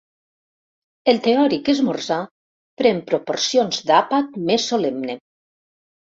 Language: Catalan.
El teòric esmorzar pren proporcions d'àpat més solemne.